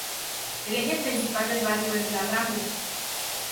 El eje principal del barrio es la Rambla.